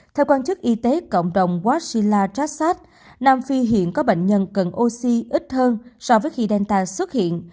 theo quan chức y tế cộng đồng washila trasat nam phi hiện có bệnh nhân cần oxy ít hơn so với khi delta xuất hiện